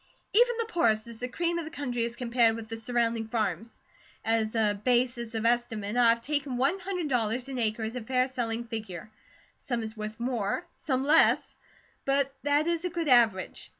Even the poorest is the cream of the country as compared with the surrounding farms. As a basis of estimate I have taken one hundred dollars an acre as a fair selling figure. Some is worth more, some less, but that is a good average.